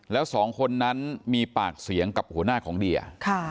แล้วสองคนนั้นมีปากเสียงกับหัวหน้าของเดีย